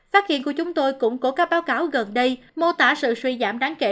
phát hiện của chúng tôi cũng có các báo cáo gần đây mô tả sự suy giảm đáng kể